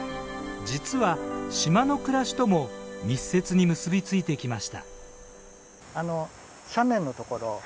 実は島の暮らしとも密接に結び付いてきました。